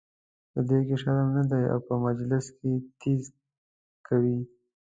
په دوی کې شرم نه دی او په مجلس کې ټیز کوي.